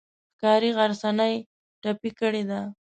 ښکاري غرڅنۍ ټپي کړې ده.